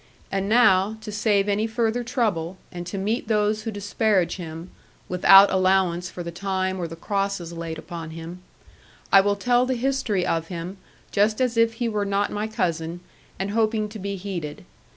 And now, to save any further trouble, and to meet those who disparage him (without allowance for the time or the crosses laid upon him), I will tell the history of him, just as if he were not my cousin, and hoping to be heeded.